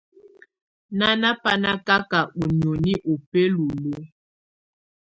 Nana bà na akaka ù niɔ̀ni ù bɛla luǝ̀.